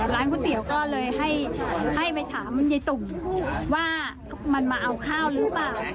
ร้านก๋วยเตี๋ยวก็เลยให้ไปถามยายตุ่มว่ามันมาเอาข้าวหรือเปล่า